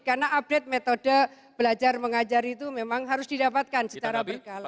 karena update metode belajar mengajar itu memang harus didapatkan secara berkala